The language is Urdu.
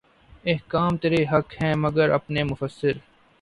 احکام ترے حق ہیں مگر اپنے مفسر